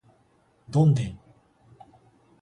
どんでん